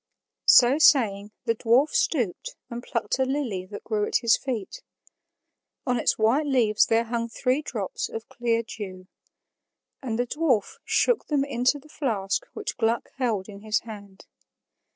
So saying, the dwarf stooped and plucked a lily that grew at his feet. On its white leaves there hung three drops of clear dew. And the dwarf shook them into the flask which Gluck held in his hand.